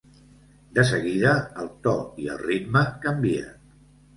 De seguida, el to i el ritme canvien.